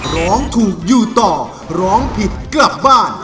ร้องถูกอยู่ต่อร้องผิดกลับบ้าน